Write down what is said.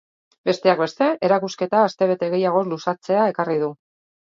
Besteak beste, erakusketa astebete gehiagoz luzatzea ekarri du.